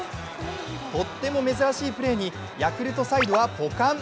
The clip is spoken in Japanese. とっても珍しいプレーにヤクルトサイドはポカン。